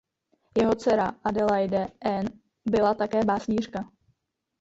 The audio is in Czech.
Jeho dcera Adelaide Anne byla také básnířka.